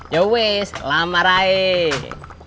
yowes lama raih